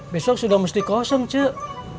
besok sudah mesti kosong cik